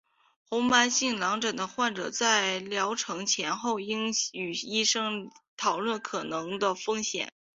红斑性狼疮的患者在疗程前应先与医生讨论可能的风险。